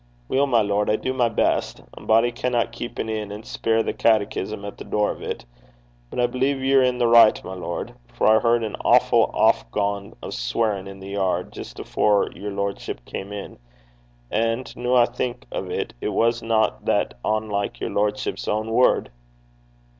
'Weel, my lord, I do my best. A body canna keep an inn and speir the carritchis (catechism) at the door o' 't. But I believe ye're i' the richt, my lord, for I heard an awfu' aff gang o' sweirin' i' the yard, jist afore yer lordship cam' in. An' noo' 'at I think o' 't, it wasna that onlike yer lordship's ain word.'